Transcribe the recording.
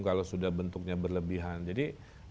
kalau sudah bentuknya berlebihan jadi